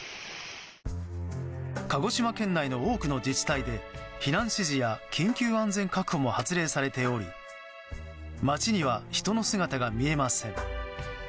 鹿児島県内の多くの自治体で避難指示や緊急安全確保も発令されており街には人の姿が見えません。